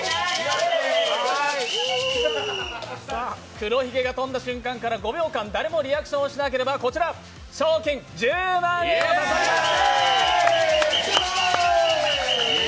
黒ひげが飛んだ瞬間から５秒間、誰もリアクションしなければこちら、賞金１０万円を差し上げます！